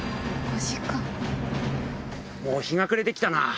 もう日が暮れて来たな。